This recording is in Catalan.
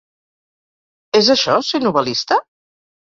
És això, ser novel·lista?